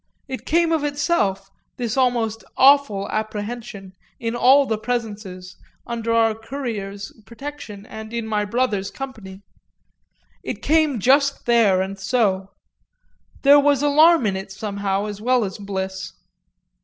It came of itself, this almost awful apprehension in all the presences, under our courier's protection and in my brother's company it came just there and so; there was alarm in it somehow as well as bliss.